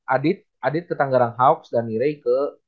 adit ke tanggarang hawks danny ray ke